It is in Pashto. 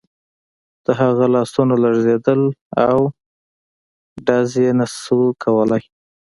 د هغه لاسونه لړزېدل او ډز یې نه شو کولای